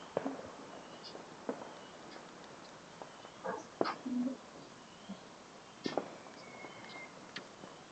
kuna njia bora za kupika vyakuala ili kutunzaa virutubisho